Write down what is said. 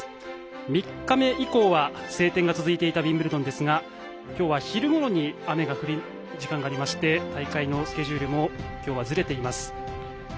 ３日目以降は晴天が続いていたウィンブルドンですが今日は昼ごろに雨が降る時間がありまして大会のスケジュールも今日はずれています。